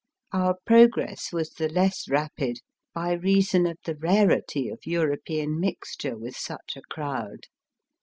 Our progress was the less rapid by reason of the rarity of European mixture with such a crowd.